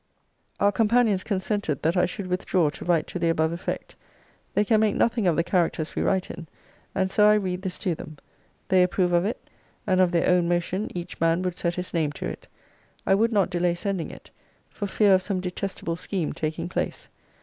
Our companions consented that I should withdraw to write to the above effect. They can make nothing of the characters we write in; and so I read this to them. They approve of it; and of their own motion each man would set his name to it. I would not delay sending it, for fear of some detestable scheme taking place.